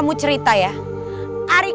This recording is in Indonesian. habis setenting tapi